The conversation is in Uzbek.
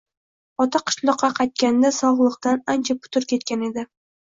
Ota qishloqqa qaytganida sog`lig`idan ancha putur ketgan edi